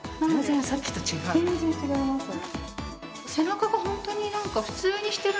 全然違いますね。